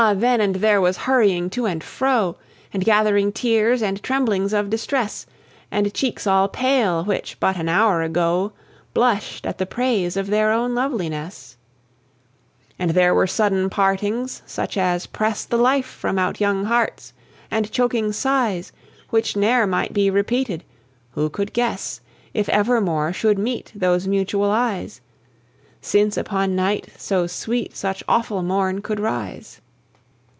then and there was hurrying to and fro, And gathering tears, and tremblings of distress And cheeks all pale, which, but an hour ago, Blushed at the praise of their own loveliness; And there were sudden partings, such as press The life from out young hearts, and choking sighs Which ne'er might be repeated: who could guess If ever more should meet those mutual eyes, Since upon night so sweet such awful morn could rise?